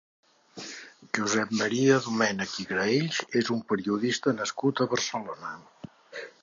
Josep Maria Domènech i Graells és un periodista nascut a Barcelona.